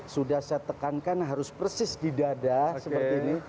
sudah saya tekankan harus persis di dada seperti ini